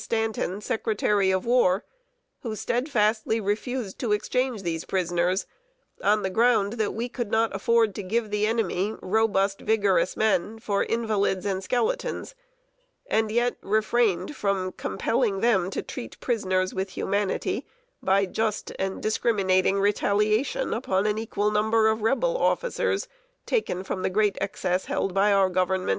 Stanton, Secretary of War, who steadfastly refused to exchange these prisoners, on the ground that we could not afford to give the enemy robust, vigorous men for invalids and skeletons, and yet refrained from compelling them to treat prisoners with humanity, by just and discriminating retaliation upon an equal number of Rebel officers, taken from the great excess held by our Government.